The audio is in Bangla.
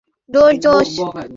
কারণ মুভি এখনও শেষ হয়নি, আমার দোস।